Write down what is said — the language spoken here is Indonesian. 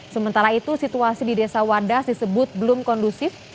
sementara itu situasi di desa wadas disebut belum kondusif